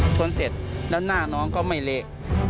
เสร็จแล้วหน้าน้องก็ไม่เละ